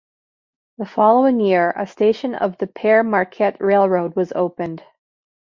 The following year a station of the Pere Marquette Railroad was opened.